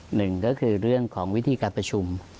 หนึ่งก็คือเรื่องของวิธีการประชุม